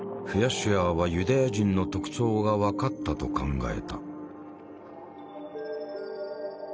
シュアーはユダヤ人の特徴が分かったと考えた。